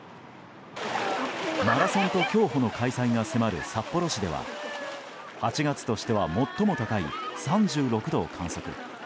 マラソンと競歩の開催が迫る札幌市では８月としては最も高い３６度を観測。